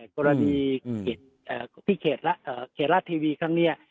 กรณีที่เขตราชทีวีครั้งนี้